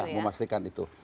ya memastikan itu